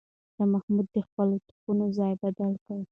شاه محمود د خپلو توپونو ځای بدل کړ.